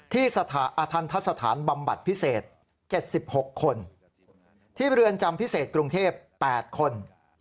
ที่สถานทันทสถานบำบัดพิเศษ๗๖คนที่เรือนจำพิเศษกรุงเทพ๘คน